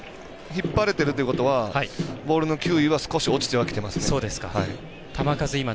引っ張れてるということはボールの球威は少し落ちてはきていますね。